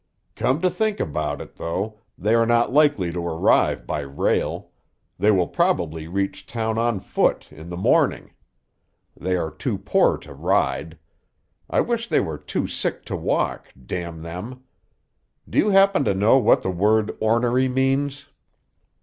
"Come to think about it, though, they are not likely to arrive by rail; they will probably reach town on foot, in the morning. They are too poor to ride. I wish they were too sick to walk, damn them. Do you happen to know what the word ornery means?"